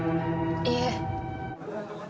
いいえ。